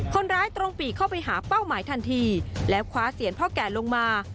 คนร้ายตรงปีกเข้าไปหาเป้าหมายทันทีแล้วคว้าเสียนพ่อแก่ลงมา